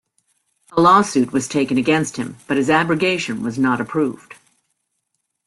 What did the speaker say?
A lawsuit was taken against him, but his abrogation was not approved.